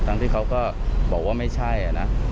ที่เขาก็บอกว่าไม่ใช่นะ